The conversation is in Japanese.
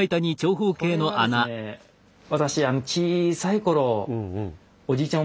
私小さい頃おじいちゃん